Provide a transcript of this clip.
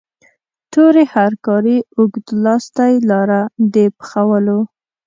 تورې هرکارې اوږد لاستی لاره د پخولو.